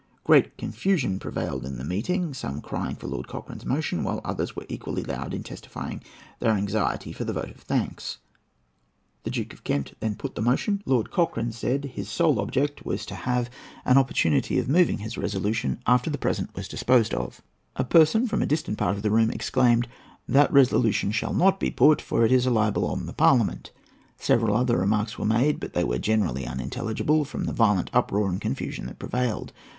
Great confusion prevailed in the meeting, some crying out for Lord Cochrane's motion, while others were equally loud in testifying their anxiety for the vote of thanks. The Duke of Kent then put the motion. Lord Cochrane said that his sole object was to have an opportunity of moving his resolution after the present was disposed of. A person from a distant part of the room exclaimed: "That resolution shall not be put, for it is a libel on the Parliament." Several other remarks were made, but they were generally unintelligible from the violent uproar and confusion that prevailed.